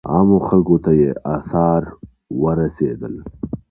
عامو خلکو ته یې آثار ورسېدل.